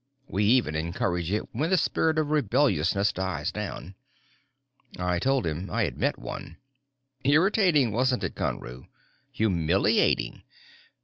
We even encourage it when the spirit of rebelliousness dies down." I told him I had met one. "Irritating, wasn't it, Conru? Humiliating.